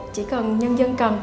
chỉ cần nhân dân cần